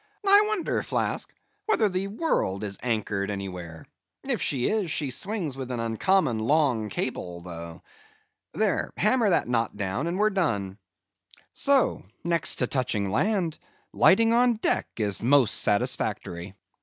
I wonder, Flask, whether the world is anchored anywhere; if she is, she swings with an uncommon long cable, though. There, hammer that knot down, and we've done. So; next to touching land, lighting on deck is the most satisfactory.